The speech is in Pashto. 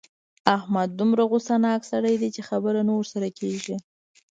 احمد دومره غوسناک سړی دی چې خبره نه ورسره کېږي.